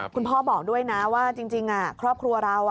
คุณพ่อบอกด้วยนะว่าจริงครอบครัวเรา